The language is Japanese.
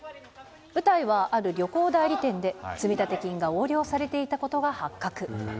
舞台は、ある旅行代理店で積立金が横領されていたことが発覚。